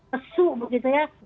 kesu begitu ya